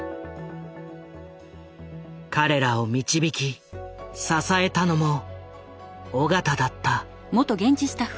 彼らを導き支えたのも緒方だった。